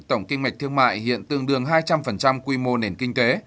tổng kinh mạch thương mại hiện tương đương hai trăm linh quy mô nền kinh tế